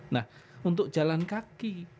nah untuk jalan kaki